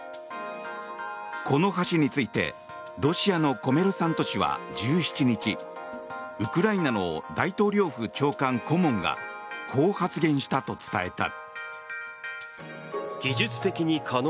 この橋についてロシアのコメルサント紙は１７日ウクライナの大統領府長官顧問がこう発言したと伝えた。